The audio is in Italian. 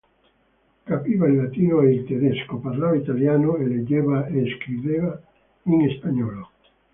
Capiva il latino e il tedesco, parlava italiano e leggeva e scriveva in spagnolo.